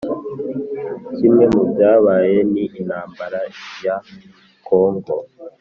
kimwe mubyabaye ni intambara ya kongo